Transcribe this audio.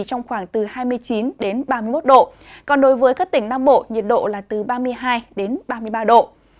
trong khoảng từ hai mươi chín ba mươi một độ còn đối với các tỉnh nam bộ nhiệt độ là từ ba mươi hai đến ba mươi ba độ